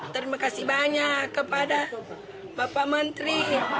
terima kasih banyak kepada bapak menteri